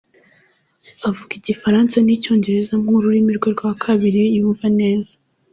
Avuga Igifaransa n’Icyongereza nk’ururimi rwe rwa kabiri yumva neza.